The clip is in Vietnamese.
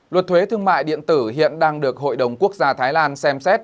luật thuế thương mại điện tử hiện đang được hội đồng quốc gia thái lan xem xét